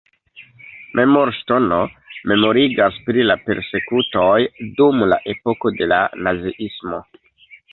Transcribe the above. Memorŝtono memorigas pri la persekutoj dum la epoko de la naziismo.